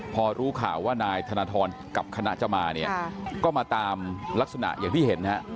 พอรู้ข่าวว่านายธนทรกับคณะจะมาเนี่ยก็มาตามลักษณะอย่างที่เห็นฮะ